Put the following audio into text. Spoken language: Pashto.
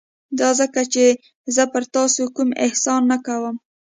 دا ځکه چې زه پر تاسو کوم احسان نه کوم.